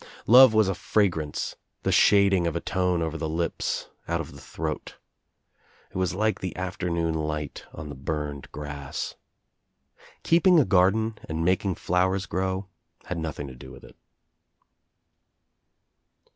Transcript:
Love was a fragrance, the shading of i tone over the lips, out of the throat. It was like the afternoon light on the burned grass, Keeping a garden and making flowers grow had noth ing to do with it.